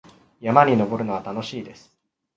山に登るのは楽しいです。